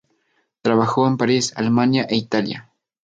Trabajó en París, Alemania e Italia.